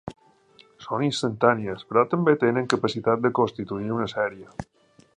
Són instantànies però també tenen capacitat de constituir una sèrie.